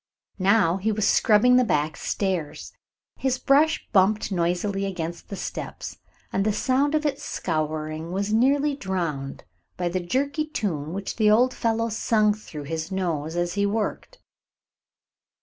Now he was scrubbing the back stairs. His brush bumped noisily against the steps, and the sound of its scouring was nearly drowned by the jerky tune which the old fellow sung through his nose as he worked.